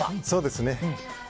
そうですね。